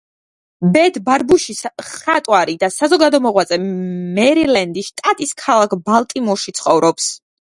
ბეთ ბარბუში მხატვარი და საზოგადო მოღვაწე მერილენდის შტატის ქალაქ ბალტიმორში ცხოვრობს.